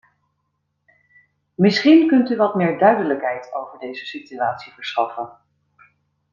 Misschien kunt u wat meer duidelijkheid over deze situatie verschaffen.